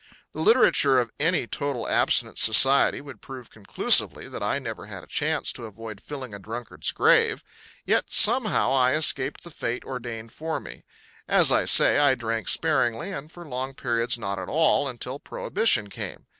The literature of any total abstinence society would prove conclusively that I never had a chance to avoid filling a drunkard's grave. Yet somehow I escaped the fate ordained for me. As I say, I drank sparingly and for long periods not at all, until Prohibition came.